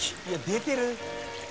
いや出てる！